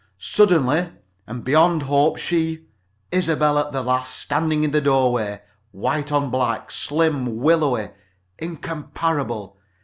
"Suddenly and beyond hope she! Isobel at the last. Standing in the doorway. White on black. Slim. Willowy. Incomparable.